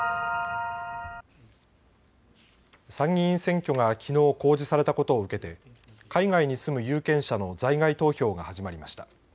参議院選挙がきのう公示されたことを受けて海外に住む有権者の在外投票が始まりました。